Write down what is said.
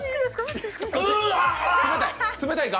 冷たいか？